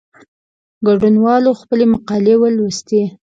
ګډونوالو خپلي مقالې ولوستې.